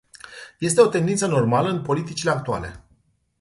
Este o tendință normală în politicile actuale.